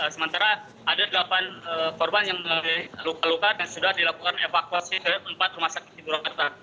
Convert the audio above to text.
sementara ada delapan korban yang luka luka dan sudah dilakukan evakuasi ke empat rumah sakit di purwakarta